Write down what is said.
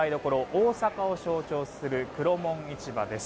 大阪を象徴する黒門市場です。